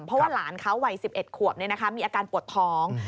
เพราะว่าหลานเขาวัย๑๑ขวบมีอาการปวดท้อง